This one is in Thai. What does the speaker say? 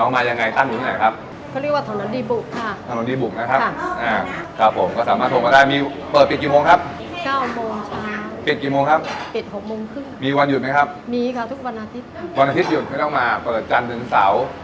มายังไงตั้งอยู่ไหนครับ